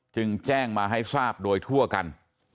จึงแจ้งมาให้ทราบโดยทั่วกัน